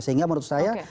sehingga menurut saya